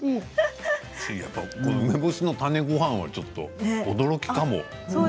梅干しの種ごはんはちょっと驚きかも。